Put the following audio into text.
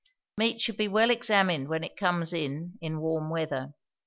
Meat should be well examined when it comes in, in warm weather.